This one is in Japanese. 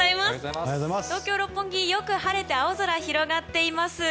東京・六本木、良く晴れて青空が広がっています。